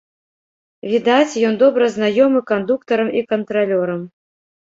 Відаць, ён добра знаёмы кандуктарам і кантралёрам.